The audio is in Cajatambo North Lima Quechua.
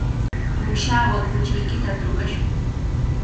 Uyshaawan kuchiykita trukashun.